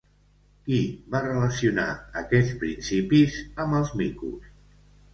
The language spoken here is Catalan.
Qui va relacionar aquests principis amb els micos?